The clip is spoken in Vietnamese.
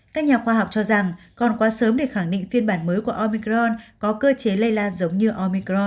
các nhà khoa học cho rằng còn quá sớm để khẳng định phiên bản mới của opicron có cơ chế lây lan giống như omicro